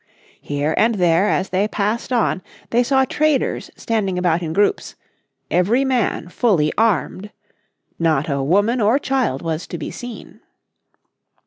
Here and there as they passed on they saw traders standing about in groups, every man fully armed. Not a woman or child was to be seen.